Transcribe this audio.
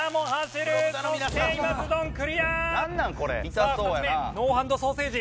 さあ２つ目ノーハンドソーセージ。